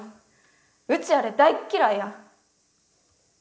うちあれ大っ嫌いや。